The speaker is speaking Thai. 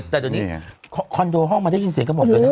แต่เดี๋ยวนี้คอนโดห้องมันได้ยินเสียงกันหมดเลยนะ